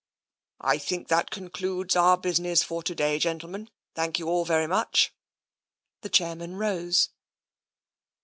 " I think that concludes our business for to day, gen tlemen. Thank you all very much." The chairman rose.